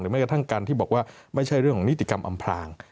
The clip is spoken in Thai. แม้กระทั่งการที่บอกว่าไม่ใช่เรื่องของนิติกรรมอำพลาง